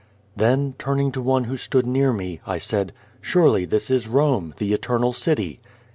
Then, turning to one who stood near me, I said, " Surely this is Rome, the Eternal City?